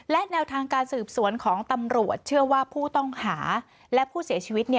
และแนวทางการสืบสวนของตำรวจเชื่อว่าผู้ต้องหาและผู้เสียชีวิต